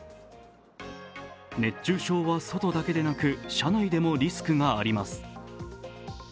熱中症は外だけでなく車内でもリスクがあります。